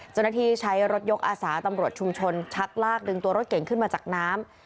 เจ้าหน้าที่ใช้รถยกอาสาตำรวจชุมชนชักลากดึงตัวรถเก่งขึ้นมาจากน้ำ